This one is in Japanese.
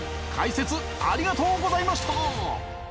解説ありがとうございました！